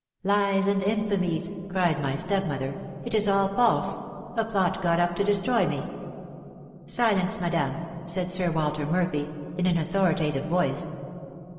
"'Lies and infamies!' cried my stepmother; 'it is all false, a plot got up to destroy me!' "'Silence, madame!' said Sir Walter Murphy, in an authoritative voice.